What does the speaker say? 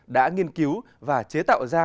đã nghiên cứu và chế tạo ra